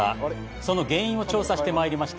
その原因を調査してまいりました。